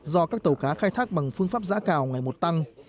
do các tàu cá khai thác bằng phương pháp giã cào ngày một tăng